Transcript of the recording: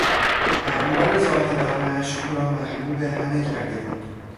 اعمال زاهدانهاش او را محبوب همه کرده بود.